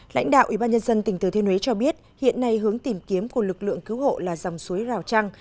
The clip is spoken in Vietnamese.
lãnh đạo ủy ban nhân dân tỉnh từ thiên huế cho biết hiện nay hướng tìm kiếm của lực lượng cứu hộ là dòng suối rào trăng